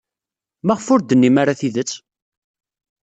Maɣef ur d-tennim ara tidet?